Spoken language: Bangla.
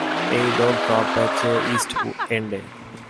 ঐ লোক ড্রপ বেচে, ইস্ট এন্ডে।